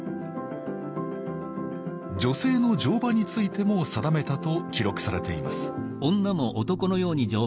女性の乗馬についても定めたと記録されています